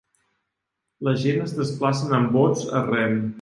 La gent es desplacen amb bots a rem.